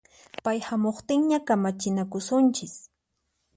Pay hamuqtinña kamachinakusunchis